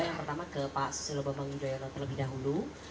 yang pertama ke pak susilo bambang yudhoyono terlebih dahulu